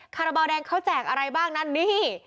คาราบาลแดงเขาแจกอะไรบ้างนั้นนี่